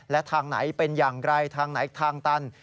และทางไหนเป็นอย่างไรทางไหนทางตัน